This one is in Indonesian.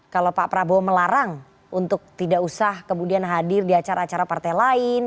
kalau pak prabowo melarang untuk tidak usah kemudian hadir di acara acara partai lain